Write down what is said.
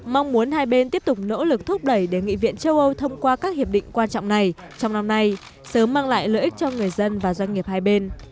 mong muốn hai bên tiếp tục nỗ lực thúc đẩy để nghị viện châu âu thông qua các hiệp định quan trọng này trong năm nay sớm mang lại lợi ích cho người dân và doanh nghiệp hai bên